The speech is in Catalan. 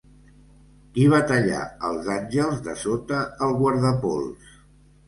Qui va tallar els àngels dessota el guardapols?